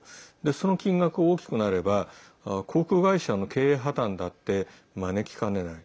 その金額、大きくなれば航空会社の経営破綻だって招きかねない。